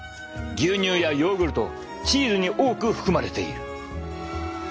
牛乳やヨーグルトチーズに多く含まれている。